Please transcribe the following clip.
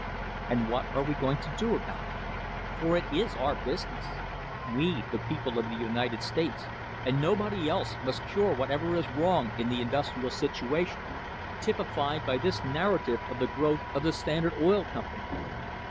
And what are we going to do about it? for it is our busi ness. We, the people of the United States, and nobody else, must cure whatever is wrong in the industrial situation, typi fied by this narrative of the growth of the Standard Oil Com pany.